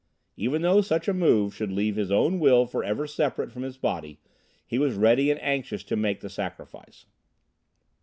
Even though such a move should leave his own will forever separate from his body, he was ready and anxious to make the sacrifice.